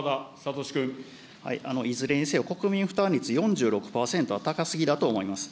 いずれにせよ、国民負担率４６％は高すぎだと思います。